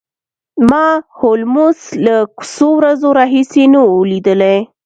ما هولمز له څو ورځو راهیسې نه و لیدلی